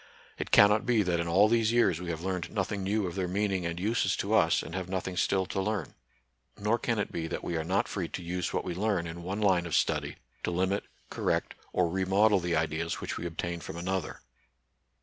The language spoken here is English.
It cannot be that in all these years we have learned nothing new of their meaning and uses to us, and have nothing still to learn. Nor can it be that we are not free to xise what we learn in one line of study to limit, correct, or remodel the ideas which we obtain from another.